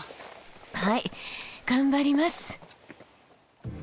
はい頑張ります！